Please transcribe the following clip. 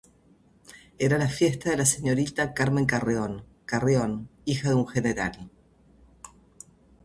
Era la fiesta de la señorita Carmen Carreón Carreón, hija de un general.